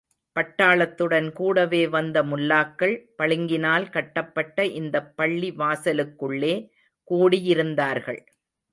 பட்டாளத்துடன் கூடவே வந்த முல்லாக்கள், பளிங்கினால் கட்டப்பட்ட இந்தப் பள்ளி வாசலுக்குள்ளே கூடியிருந்தார்கள்.